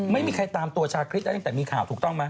ไม่มีใครตามตัวชาคริสได้ตั้งแต่มีข่าวถูกต้องไหม